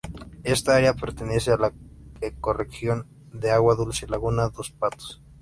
Esta área pertenece a la ecorregión de agua dulce laguna dos Patos.